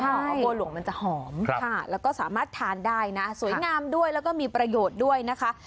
เพราะบัวหลวงมันจะหอมแล้วก็สามารถทานได้นะสวยงามด้วยแล้วก็มีประโยชน์ด้วยนะคะ